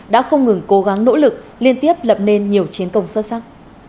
đã không ngừng cố gắng nỗ lực liên tiếp lập nên nhiều chiến công xuất sắc